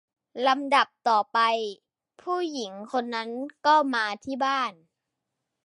ลำดับต่อไป ผู้หญิงคนนั้นก็มาที่บ้าน